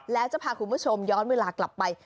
แล้วจะพาคุณผู้ชมย้อนเวลากลับไป